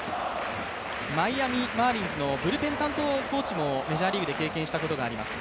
マイアミ・マーリンズのブルペン担当コーチもメジャーリーグで経験したことがあります。